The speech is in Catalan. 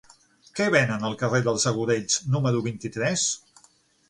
Què venen al carrer dels Agudells número vint-i-tres?